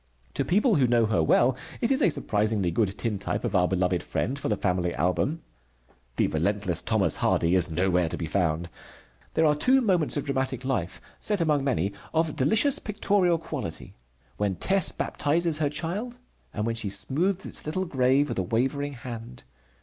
To people who know her well it is a surprisingly good tintype of our beloved friend, for the family album. The relentless Thomas Hardy is nowhere to be found. There are two moments of dramatic life set among many of delicious pictorial quality: when Tess baptizes her child, and when she smooths its little grave with a wavering hand.